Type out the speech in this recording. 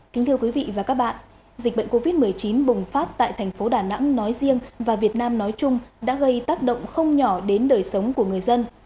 kính thưa quý vị và các bạn dịch bệnh covid một mươi chín bùng phát tại thành phố đà nẵng nói riêng và việt nam nói chung đã gây tác động không nhỏ đến đời sống của người dân